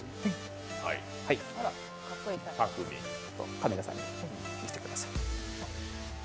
カメラさんに見せてください。